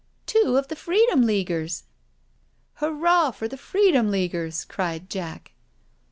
" Two of the Freedom Leaguers I "" Hurrah for the Freedom Leaguers I" cried Jack.